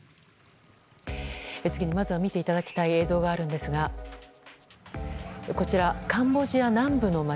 次に、まずは見ていただきたい映像があるんですがこちら、カンボジア南部の街。